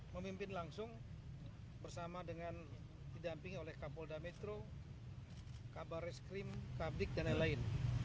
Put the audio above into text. memimpin langsung bersama dengan didampingi oleh kapolda metro kabar reskrim kabrik dan lain lain